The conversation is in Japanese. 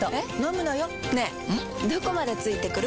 どこまで付いてくる？